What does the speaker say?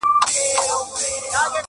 ما به شپېلۍ ږغول.!